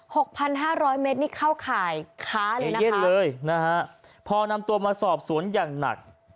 หกพันห้าร้อยเมตรนี่เข้าขายค้าเลยนะครับเอี๊ยดเลยพอนำตัวมาสอบศูนย์อย่างหนัก